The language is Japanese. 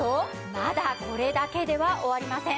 まだこれだけでは終わりません。